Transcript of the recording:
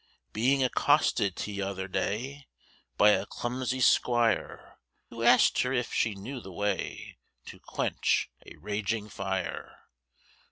Being accosted t'other day, By a clumsy 'squire, Who ask'd her if she knew the way To quench a raging fire.